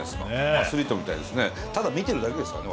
アスリートみたいですね。